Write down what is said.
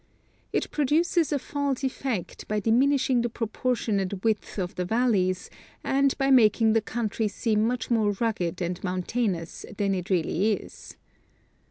It produces a false effect by diminishing the proportionate width of the valleys, and by making the country seem much more rugged and mountainous than it really is.